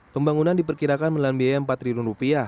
jalan tol yang diperkirakan menilai biaya rp empat